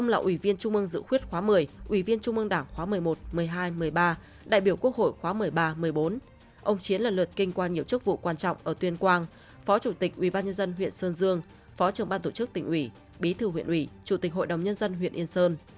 từ tháng chín hai nghìn một mươi hai đến tháng hai hai nghìn một mươi ba đại biểu quốc hội khóa một mươi ba một mươi bốn ông chiến lần lượt kinh quan nhiều chức vụ quan trọng ở tuyên quang phó chủ tịch ubnd huyện sơn dương phó trưởng ban tổ chức tỉnh ủy bí thư huyện ủy chủ tịch hội đồng nhân dân huyện yên sơn